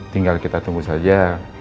tinggal kita tunggu saja